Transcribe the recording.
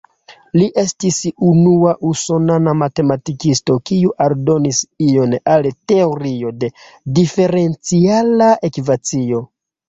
Li estis unua usonana matematikisto kiu aldonis ion al teorio de diferenciala ekvacio.